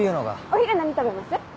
お昼何食べます？